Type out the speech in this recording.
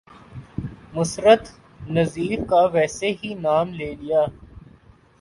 مسرت نذیر کا ویسے ہی نام لے لیا۔